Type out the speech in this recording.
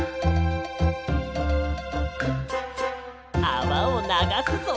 あわをながすぞ。